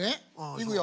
いくよ。